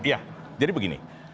ya jadi begini